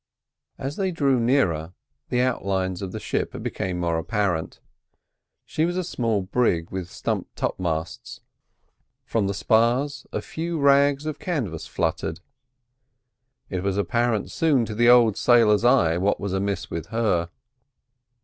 As they drew nearer, the outlines of the ship became more apparent. She was a small brig, with stump topmasts, from the spars a few rags of canvas fluttered. It was apparent soon to the old sailor's eye what was amiss with her.